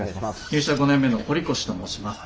入社５年目の堀越と申します。